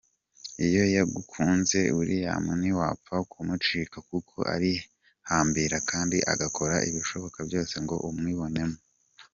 Iyo yagukunze, William ntiwapfa kumucika kuko arihambira kandi agakora ibishoboka byose ngo umwibonemo.